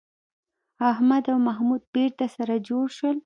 احمد او محمود بېرته سره جوړ شول.